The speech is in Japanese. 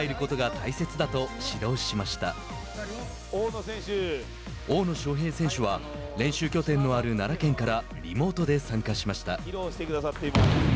大野将平選手は練習拠点のある奈良県からリモートで参加しました。